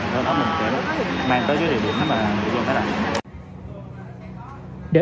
sau đó mình sẽ mang tới với địa điểm mà người dân đã đặt